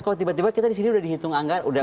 kalau tiba tiba kita disini udah di hitung anggaran